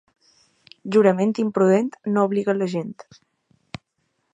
Jurament imprudent no obliga la gent.